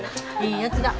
いいやつだ。